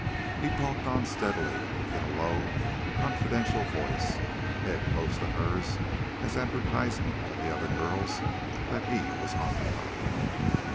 He talked on steadily, in a low, confidential voice, head close to hers, as advertisement to the other girl that he was occupied.